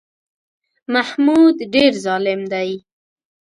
محمود ډېر ظالم دی.